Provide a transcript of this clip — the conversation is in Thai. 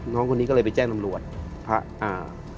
น้องคนนี้ก็เลยไปแจ้งตำรวจ